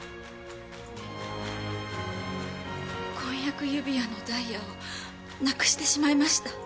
婚約指輪のダイヤをなくしてしまいました。